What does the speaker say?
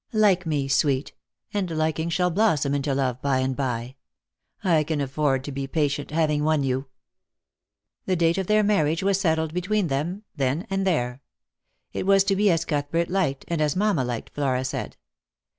Like me, sweet, and liking shall blossom into love, by and by. I can afford to be patient, having won you." The date of their marriage was settled between them then and there. It was to be as Outhbert liked, and as mamma liked, Flora said.